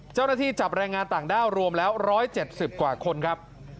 เจ้าหน้าที่จับแรงงานต่างด้าวรวมแล้ว๑๗๐กว่าคนครับ